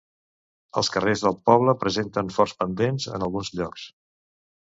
Els carrers del poble presenten forts pendents en alguns llocs.